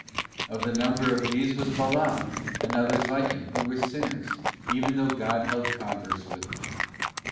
't Of the number of these was Balaam, and others like him, who were sinners, even though God held converse with them.